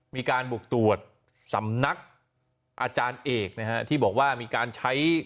มีการบุกตรวจสำนักอาจารย์เอกนะฮะที่บอกว่ามีการใช้